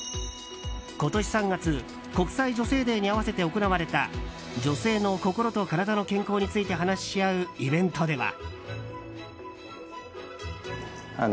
今年３月国際女性デーに合わせて行われた女性の心と体の健康について話し合うイベントでは。